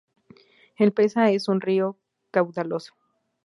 El Peza es un río caudaloso.